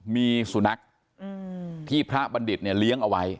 มีสุนัขที่พระบัณฑิตเนี่ยเลี้ยงเอาไว้